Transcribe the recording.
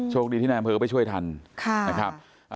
โชคดีที่นายไม่ช่วยทันนะครับค่ะ